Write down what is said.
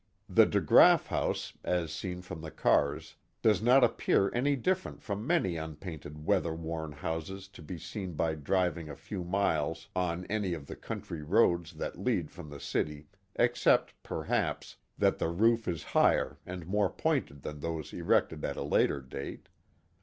The DeGraaf house, as seen from the cars, does not appear any different from many unpainted weather worn houses to be seen by driving a few miles on any of the country roads that lead from the city except, perhaps, that the roof is higher and more pointed than those erected at a later date.